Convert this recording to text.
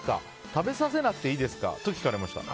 食べさせなくていいですか？と聞かれました。